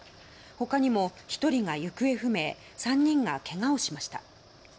他にも１人が行方不明３人が、けがをしました。